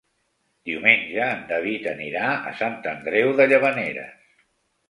Diumenge en David anirà a Sant Andreu de Llavaneres.